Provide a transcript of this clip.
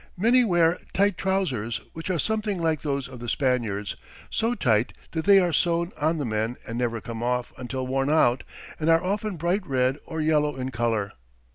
Many wear tight trousers, which are something like those of the Spaniards so tight that they are sewn on the men and never come off until worn out and are often bright red or yellow in colour.